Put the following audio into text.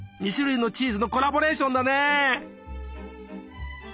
２種類のチーズのコラボレーションだね！